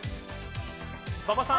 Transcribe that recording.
馬場さん？